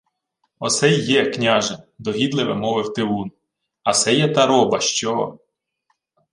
— Осе й є, княже, — догідливе мовив тивун. — А се є та роба, що...